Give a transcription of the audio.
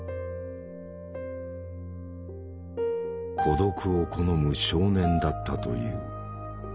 孤独を好む少年だったという。